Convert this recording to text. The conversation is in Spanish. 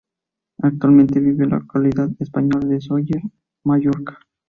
Actualmente vive en la localidad española de Sóller, Mallorca.